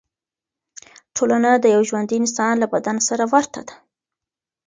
ټولنه د یو ژوندي انسان له بدن سره ورته ده.